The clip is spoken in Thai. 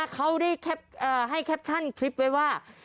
เขาได้ให้แคปชั่นคลิปไว้ว่า